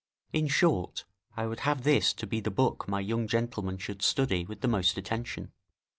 In short, I would have this to be the book my young gentleman should study with the most attention.